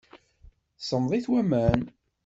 Semmeḍ-it waman?